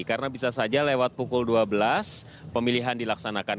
karena bisa saja lewat pukul dua belas pemilihan dilaksanakan